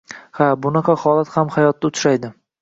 Ha, bunaqa holat ham hayotda uchraydi.